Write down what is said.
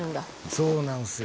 そうなんですよ。